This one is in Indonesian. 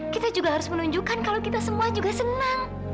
kita juga harus menunjukkan kalau kita semua juga senang